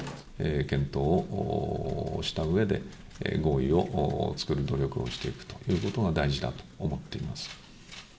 検討をしたうえで、合意を作る努力をしていくということが大事だと思っています。